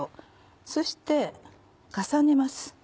そして重ねます。